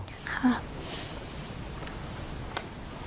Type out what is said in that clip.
ครับ